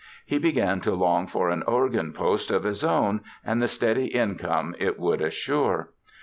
He began to long for an organ post of his own and the steady income it would assure.